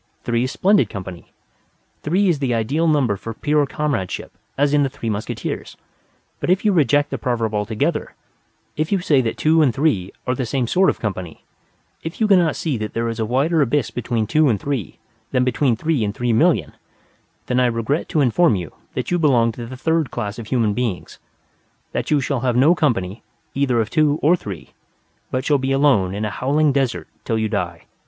Three is splendid company: three is the ideal number for pure comradeship: as in the Three Musketeers. But if you reject the proverb altogether; if you say that two and three are the same sort of company; if you cannot see that there is a wider abyss between two and three than between three and three million then I regret to inform you that you belong to the Third Class of human beings; that you shall have no company either of two or three, but shall be alone in a howling desert till you die.